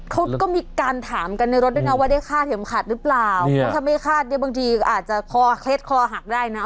เขาก็มีการถามกันในรถด้วยนะว่าได้ฆ่าเข็มขัดหรือเปล่าแล้วถ้าไม่คาดเนี่ยบางทีอาจจะคอเคล็ดคอหักได้นะ